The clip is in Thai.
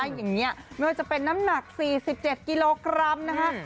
อย่างนี้ไม่ว่าจะเป็นน้ำหนัก๔๗กิโลกรัมนะคะ